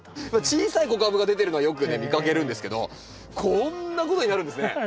小さい子株が出てるのはよく見かけるんですけどこんなことになるんですね。